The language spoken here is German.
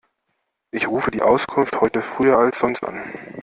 Ich rufe die Auskunft heute früher als sonst an.